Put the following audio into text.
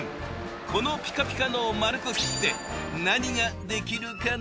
このピカピカのを丸く切って何ができるかな？